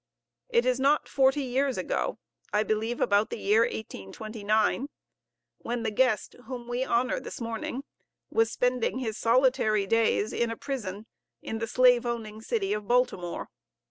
It is not forty years ago, I believe about the year 1829, when the guest whom we honor this morning was spending his solitary days in a prison in the slave owning city of Baltimore.